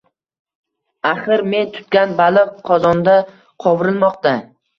Axir men tutgan baliq qozonda qovrilmoqda